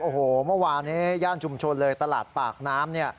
โอ้โหมันวานี้ย่านจุมชนเลยตลาดปากน้ำ